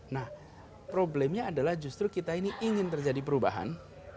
nah problemnya adalah justru kita ini ingin terjadi perubahan